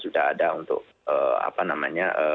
sudah ada untuk apa namanya